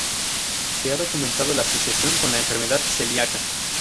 Se ha documentado la asociación con la enfermedad celíaca.